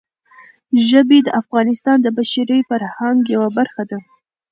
ژبې د افغانستان د بشري فرهنګ یوه برخه ده.